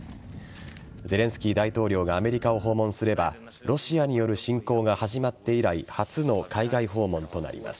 ゼレンスキー大統領がアメリカを訪問すればロシアによる侵攻が始まって以来初の海外訪問となります。